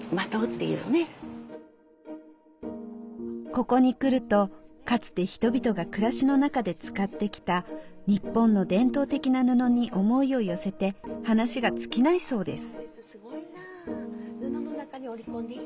ここに来るとかつて人々が暮らしの中で使ってきた日本の伝統的な布に思いを寄せて話が尽きないそうです。